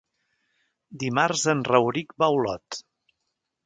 Dimarts en Rauric va a Olot.